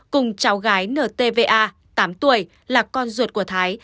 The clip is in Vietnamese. cùng cháu gái ntva tám tuổi là con ruột của thái